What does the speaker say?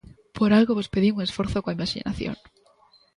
Por algo vos pedín un esforzo coa imaxinación.